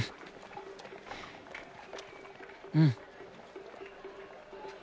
うん。